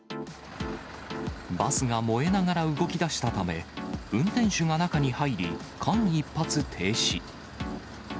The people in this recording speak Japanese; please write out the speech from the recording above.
バスが燃えながら動きだしたため、運転手が中に入り、間一髪停止。